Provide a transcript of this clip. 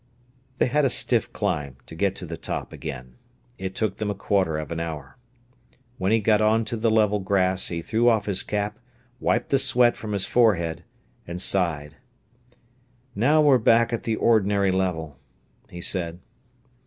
They had a stiff climb to get to the top again. It took them a quarter of an hour. When he got on to the level grass, he threw off his cap, wiped the sweat from his forehead, and sighed. "Now we're back at the ordinary level," he said.